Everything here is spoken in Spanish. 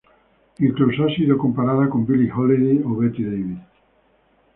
Incluso ha sido comparada con Billie Holiday o Betty Davis.